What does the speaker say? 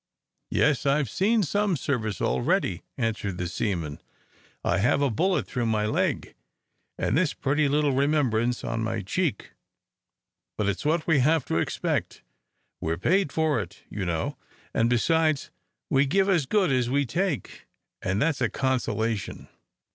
"Yes; I have seen some service already," answered the seaman. "I have a bullet through my leg, and this pretty little remembrance on my cheek; but it's what we have to expect. We're paid for it, you know; and besides, we give as good as we take, and that's a consolation."